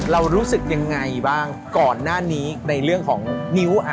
รู้สึกยังไงบ้างก่อนหน้านี้ในเรื่องของนิ้ว